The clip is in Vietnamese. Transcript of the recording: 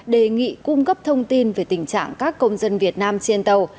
đề nghị cung cấp thông tin về tình trạng các công dân việt nam trên tàu